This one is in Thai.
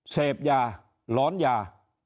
เสพยาหลอนยา